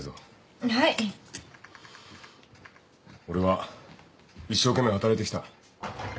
俺は一生懸命働いてきた。